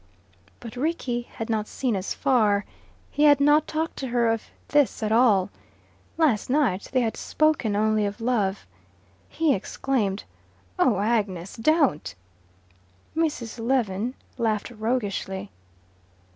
But Rickie had not seen as far. He had not talked to her of this at all. Last night they had spoken only of love. He exclaimed, "Oh, Agnes don't!" Mrs. Lewin laughed roguishly.